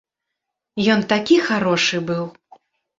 Ён такі харошы быў.